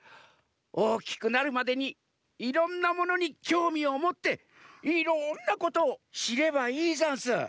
おおきくなるまでにいろんなものにきょうみをもっていろんなことをしればいいざんす。